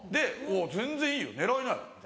「全然いいよ狙いなよ